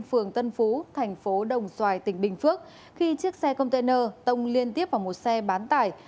phường tân phú thành phố đồng xoài tỉnh bình phước khi chiếc xe container tông liên tiếp vào một xe bán tải